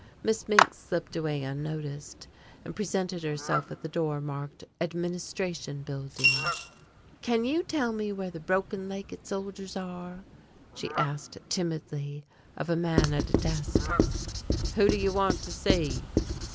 Miss Mink slipped away unnoticed and presented herself at the door marked "Administration Building." "Can you tell me where the broken legged soldiers are?" she asked timidly of a man at a desk. "Who do you want to see?"